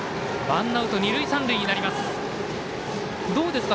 ワンアウト、二塁三塁になります。